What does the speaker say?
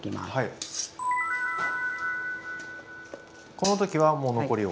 この時はもう残りを。